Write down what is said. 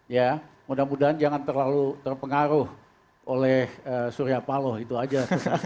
ya mudah mudahan jangan terlalu terpengaruh oleh surya paloh itu aja